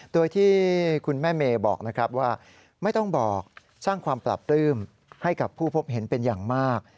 โดยที่คุณแม่เมย์บอกนะครับว่าไม่ต้องบอกสร้างความปราบปลื้มให้กับผู้พบเห็นเป็นอย่างมาก